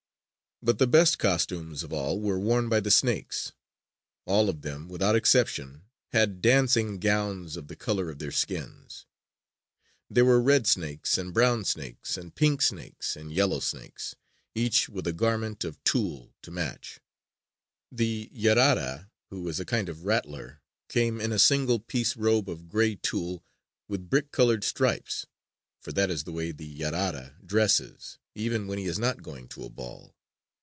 But the best costumes of all were worn by the snakes. All of them, without exception, had dancing gowns of the color of their skins. There were red snakes, and brown snakes, and pink snakes, and yellow snakes each with a garment of tulle to match. The yarara, who is a kind of rattler, came in a single piece robe of gray tulle with brick colored stripes for that is the way the yarara dresses even when he is not going to a ball.